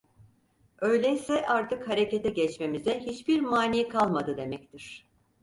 Öyleyse artık harekete geçmemize hiçbir mani kalmadı demektir.